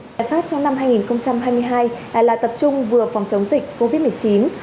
giải pháp trong năm hai nghìn hai mươi hai là tập trung vừa phòng chống dịch covid một mươi chín